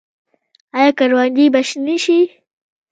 آیا کروندې به شنې شي؟